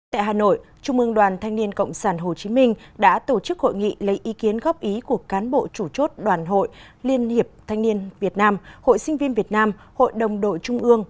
tại hà nội trung ương đoàn thanh niên cộng sản hồ chí minh đã tổ chức hội nghị lấy ý kiến góp ý của cán bộ chủ chốt đoàn hội liên hiệp thanh niên việt nam hội sinh viên việt nam hội đồng đội trung ương